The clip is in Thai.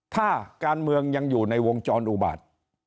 ถ้าการเมืองยังอยู่ในวงจรอุบาต